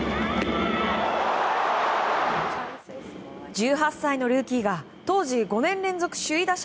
１８歳のルーキーが当時５年連続首位打者